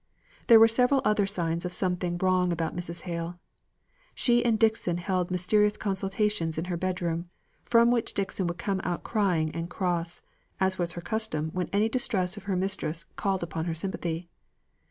There were several other signs of something wrong about Mrs. Hale. She and Dixon held mysterious consultations in her bedroom, from which Dixon would come out crying and cross, as was her custom when any distress of her mistress called upon her sympathy.